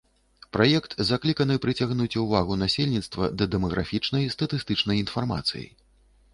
Праект закліканы прыцягнуць увагу насельніцтва да дэмаграфічнай статыстычнай інфармацыі.